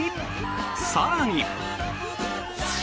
更に。